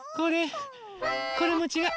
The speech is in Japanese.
これもちがう。